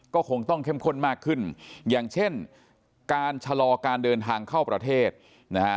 ก็คงต้องเข้มข้นมากขึ้นอย่างเช่นการชะลอการเดินทางเข้าประเทศนะฮะ